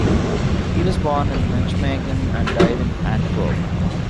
He was born in Nijmegen and died in Antwerp.